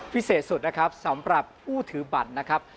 พิเศษสุดนะครับสำหรับผู้ถือบัตรนะครับ